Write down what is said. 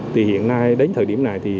thì hiện nay đến thời điểm này